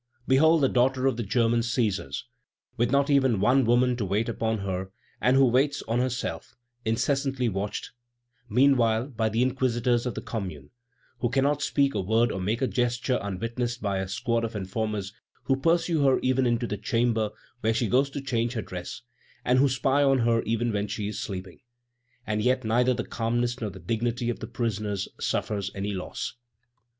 Behold the daughter of the German Cæsars, with not even one woman to wait upon her, and who waits on herself, incessantly watched, meanwhile, by the inquisitors of the Commune; who cannot speak a word or make a gesture unwitnessed by a squad of informers who pursue her even into the chamber where she goes to change her dress, and who spy on her even when she is sleeping! And yet neither the calmness nor the dignity of the prisoners suffers any loss.